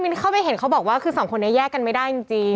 เนี่ยเห็นเขาบอกว่าคือสามคนเนี่ยแยกกันไม่ได้จริงจริง